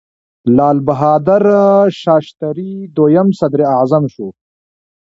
لال بهادر شاستري دویم صدراعظم شو.